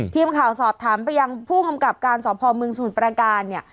ทีมข่าวสอบถามไปยังผู้กำกับการสอบภอมเมืองสมุทรประการเนี่ย